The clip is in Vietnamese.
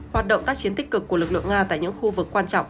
hoạt động tác chiến tích cực của lực lượng nga tại những khu vực quan trọng